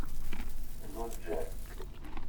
Guǧǧen.